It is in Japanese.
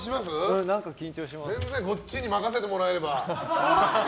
全然こっちに任せてもらえれば。